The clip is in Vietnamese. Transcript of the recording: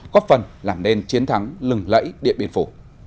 góp phần làm nên chiến thắng lừng lẫy điện biên phủ